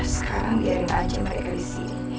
sekarang biarin aja mereka isi